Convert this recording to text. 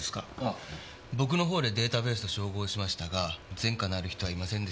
あ僕の方でデータベースと照合しましたが前科のある人はいませんでした。